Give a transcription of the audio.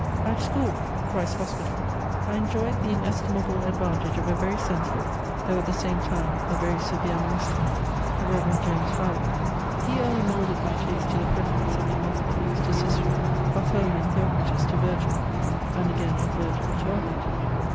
At school, (Christ's Hospital,) I enjoyed the inestimable advantage of a very sensible, though at the same time, a very severe master, the Reverend James Bowyer. He early moulded my taste to the preference of Demosthenes to Cicero, of Homer and Theocritus to Virgil, and again of Virgil to Ovid.